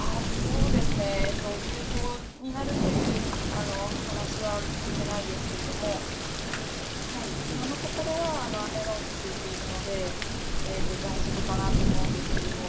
休校になるという話は聞いていないですけれども、今のところは雨が落ち着いているので、大丈夫かなと思うんですけれども。